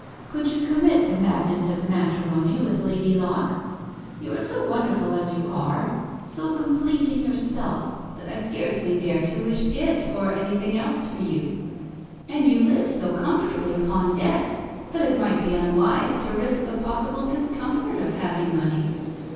"Could you commit the madness of matrimony with Lady Locke? You are so wonderful as you are, so complete in yourself, that I scarcely dare to wish it, or anything else for you: and you live so comfortably upon debts, that it might be unwise to risk the possible discomfort of having money.